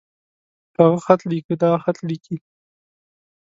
هغۀ خط ليکي. دا خط ليکي.